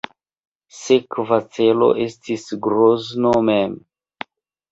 Sekva celo estis Grozno mem.